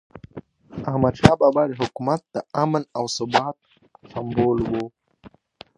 احمدشاه بابا د حکومت د امن او ثبات سمبول و.